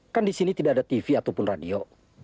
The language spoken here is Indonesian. kan di sini tidak ada tv ataupun radio